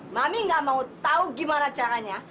mami nggak mau tahu gimana caranya